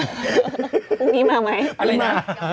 พรุ่งนี้มาไหมอะไรมา